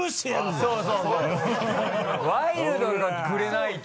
ワイルドくれないと。